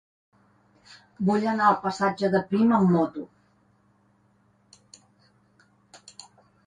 Vull anar al passatge de Prim amb moto.